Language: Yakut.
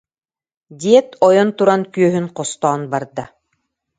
диэт, ойон туран күөһүн хостоон барда